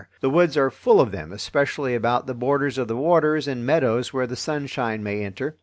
The woods are full of them, especially about the borders of the waters and meadows where the sunshine may enter.